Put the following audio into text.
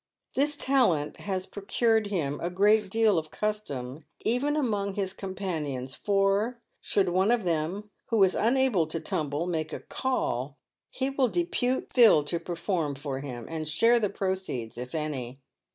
This talent has procured him a great deal of custom, even among his companions, for, should one of them, who is unable to " tumble," make a " call," he will depute Phil to perform for him, and share the proceeds — if any.